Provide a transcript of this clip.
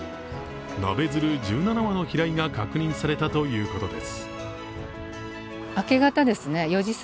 ナベヅル１７羽の飛来が確認されたということです。